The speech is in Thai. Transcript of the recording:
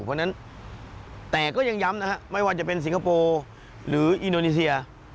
เพราะฉะนั้นแต่ก็ยังย้ำนะฮะไม่ว่าจะเป็นสิงคโปร์หรืออินโดนีเซีย